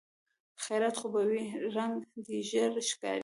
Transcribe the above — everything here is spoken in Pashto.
خيرت خو به وي؟ رنګ دې ژېړ ښکاري.